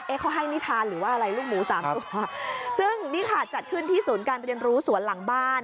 เขาให้นิทานหรือว่าอะไรลูกหมูสามตัวซึ่งนี่ค่ะจัดขึ้นที่ศูนย์การเรียนรู้สวนหลังบ้าน